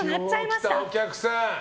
今日来たお客さん